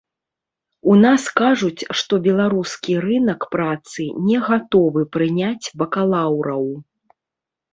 У нас кажуць, што беларускі рынак працы не гатовы прыняць бакалаўраў.